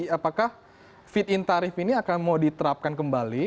apakah fit in tarif ini akan mau diterapkan kembali